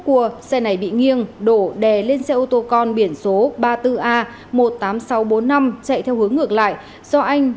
cua xe này bị nghiêng đổ đè lên xe ô tô con biển số ba mươi bốn a một mươi tám nghìn sáu trăm bốn mươi năm chạy theo hướng ngược lại do anh